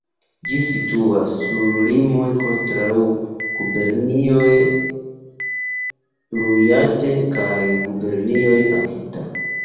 Ĝi situas sur limoj kontraŭ Gubernio Iŭate kaj Gubernio Akita.